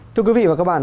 thưa quý vị và các bạn